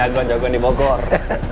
jagoan jagoan di bogor